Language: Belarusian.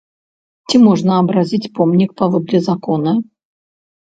Ці можна абразіць помнік, паводле закона?